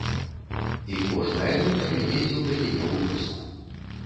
І кожнае лета я ездзіў да яе ў вёску.